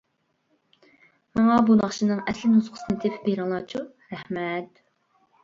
ماڭا بۇ ناخشىنىڭ ئەسلىي نۇسخىسىنى تېپىپ بېرىڭلارچۇ، رەھمەت.